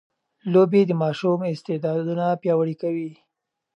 لوبې د ماشوم استعدادونه پياوړي کوي.